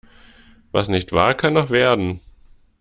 Was nicht war, kann noch werden.